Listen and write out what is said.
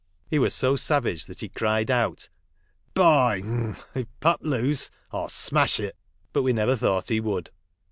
Ho was so savage that he cried out » By , if pup lose, I'll smash it but we never thought he would.